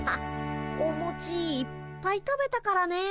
おもちいっぱい食べたからねえ。